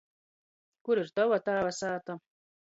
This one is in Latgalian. Kur ir tova tāva sāta?